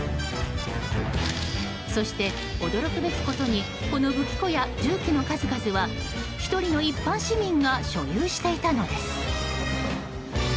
そして、驚くべきことにこの武器庫や銃器の数々は１人の一般市民が所有していたのです。